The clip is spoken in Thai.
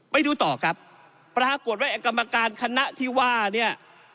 ไปดูต่อครับปรากฏว่าไอ้กรรมการคณะที่ว่าเนี่ย